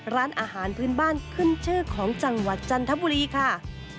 ร้านอาหารพื้นบ้านขึ้นชื่อของจังหวัดจันทบุรีค่ะ